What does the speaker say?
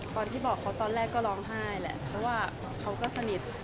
ตอนที่บอกเขาตอนแรกก็ร้องไห้แหละเพราะว่าเขาก็สนิท